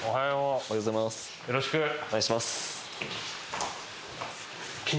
よろしく。